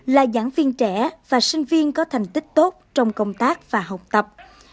là giảng viên trẻ và sinh viên có thành tích tốt trong công tác và học tập